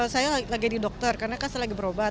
saya lagi di dokter karena kan saya lagi berobat